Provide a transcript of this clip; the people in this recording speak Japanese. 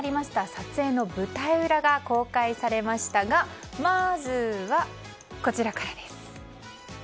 撮影の舞台裏が公開されましたがまずは、こちらからです。